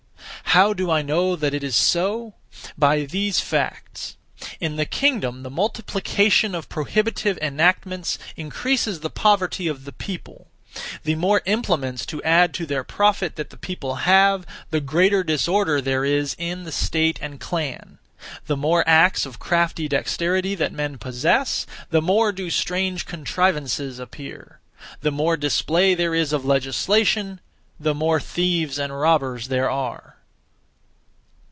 How do I know that it is so? By these facts: In the kingdom the multiplication of prohibitive enactments increases the poverty of the people; the more implements to add to their profit that the people have, the greater disorder is there in the state and clan; the more acts of crafty dexterity that men possess, the more do strange contrivances appear; the more display there is of legislation, the more thieves and robbers there are.